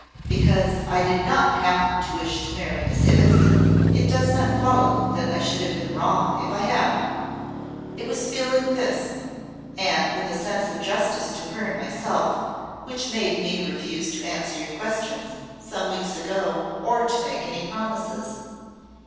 "Because I did not happen to wish to marry Miss Ibbotson, it does not follow that I should have been wrong if I had. It was feeling this, and a sense of justice to her and myself, which made me refuse to answer your questions, some weeks ago, or to make any promises."